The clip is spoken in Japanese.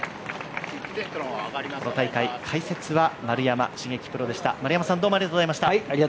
この大会解説は丸山茂樹プロでした。